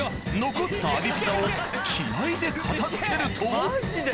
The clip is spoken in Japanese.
残った揚げピザを気合で片付けるとマジで？